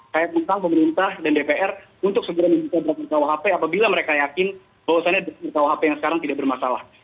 kayak tentang pemerintah dan dpr untuk segera membuka draft rkuhp apabila mereka yakin bahwasannya rkuhp yang sekarang tidak bermasalah